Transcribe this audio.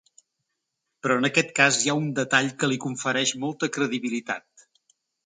Però en aquest cas hi ha un detall que li confereix molta credibilitat.